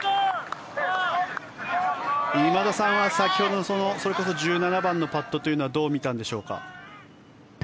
今田さんは先ほどのそれこそ１７番のパットというのはどう見たんでしょうか？